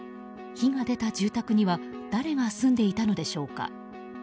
火が出た住宅には誰が住んでいたのでしょうか。